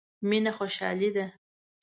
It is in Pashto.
مينه خوشالي ده.